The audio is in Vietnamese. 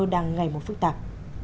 đang ngày mùa phức tạp